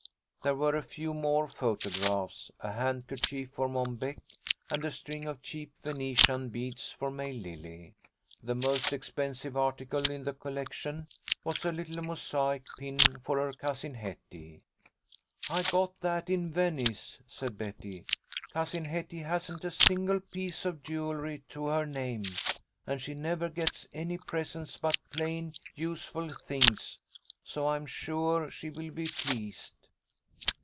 There were a few more photographs, a handkerchief for Mom Beck, and a string of cheap Venetian beads for May Lily. The most expensive article in the collection was a little mosaic pin for her Cousin Hetty. "I got that in Venice," said Betty. "Cousin Hetty hasn't a single piece of jewelry to her name, and she never gets any presents but plain, useful things, so I am sure she will be pleased."